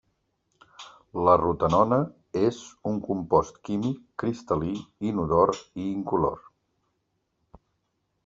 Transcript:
La rotenona és un compost químic cristal·lí inodor i incolor.